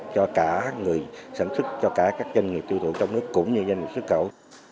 cho cả người sản xuất cho cả các doanh nghiệp tiêu thụ trong nước cũng như doanh nghiệp xuất khẩu